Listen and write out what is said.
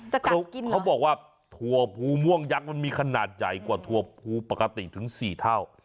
จะกลับกินเหรอเขาบอกว่าทั่วพูม่วงยักษ์มันมีขนาดใหญ่กว่าทั่วพูปกติถึง๔เท่า